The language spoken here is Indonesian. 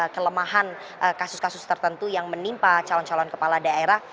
kelemahan kasus kasus tertentu yang menimpa calon calon kepala daerah